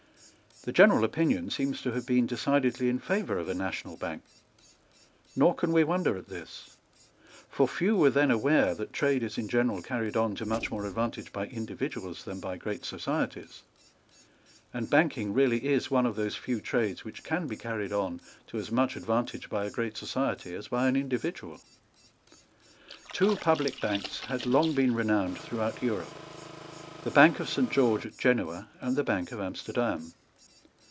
The general opinion seems to have been decidedly in favour of a national bank; nor can we wonder at this; for few were then aware that trade is in general carried on to much more advantage by individuals than by great societies; and banking really is one of those few trades which can be carried on to as much advantage by a great society as by an individual. Two public banks had long been renowned throughout Europe, the Bank of Saint George at Genoa, and the Bank of Amsterdam.